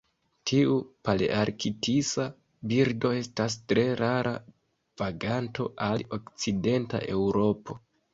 Tiu palearktisa birdo estas tre rara vaganto al okcidenta Eŭropo.